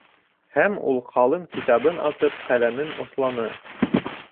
Һәм ул ҡалын китабын асып ҡәләмен осланы.